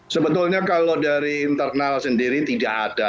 sebetulnya kalau dari internal sendiri tidak ada